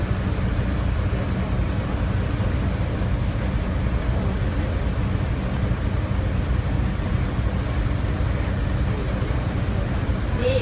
ก็ไม่มีเวลาให้กลับมาที่นี่